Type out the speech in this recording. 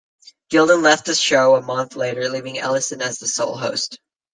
Gilden left the show a month later, leaving Ellison as the sole host.